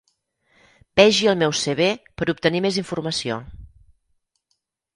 Vegi el meu cv per obtenir més informació.